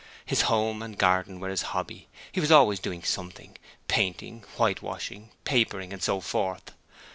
His home and garden were his hobby: he was always doing something; painting, whitewashing, papering and so forth.